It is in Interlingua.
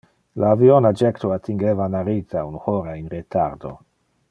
Le avion a jecto attingeva Narita un hora in retardo.